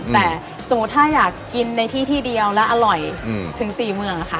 แต่สมมุติถ้าอยากกินในที่ที่เดียวและอร่อยถึง๔เมืองค่ะ